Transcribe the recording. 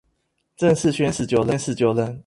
正式宣誓就任